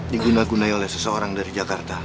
digunagunai oleh seseorang dari jakarta